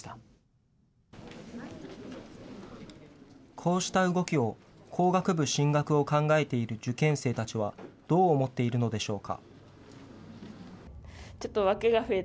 こうした動きを工学部進学を考えている受験生たちはどう思っているのでしょうか。